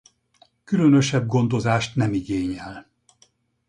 Különösebb gondozást nem igényel.